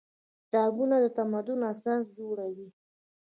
کتابونه د تمدن اساس جوړوي.